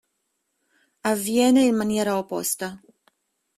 Avviene in maniera opposta.